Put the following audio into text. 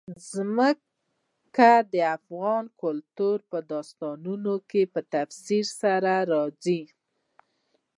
ځمکه د افغان کلتور په داستانونو کې په تفصیل سره راځي.